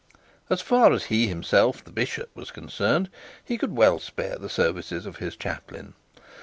As far as he himself, the bishop, was concerned, he could well spare the services of his chaplain.